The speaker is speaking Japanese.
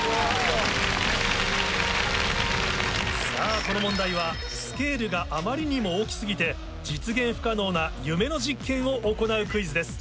さぁこの問題はスケールがあまりにも大き過ぎて実現不可能な夢の実験を行うクイズです。